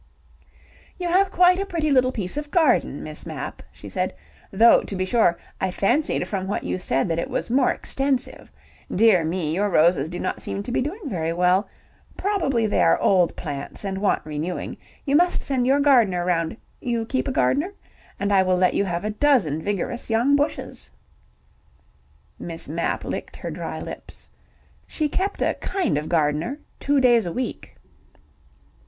"You have quite a pretty little piece of garden, Miss Mapp," she said, "though, to be sure, I fancied from what you said that it was more extensive. Dear me, your roses do not seem to be doing very well. Probably they are old plants and want renewing. You must send your gardener round you keep a gardener? and I will let you have a dozen vigorous young bushes." Miss Mapp licked her dry lips. She kept a kind of gardener: two days a week.